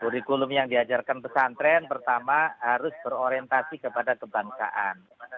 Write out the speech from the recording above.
kurikulum yang diajarkan pesantren pertama harus berorientasi kepada kebangsaan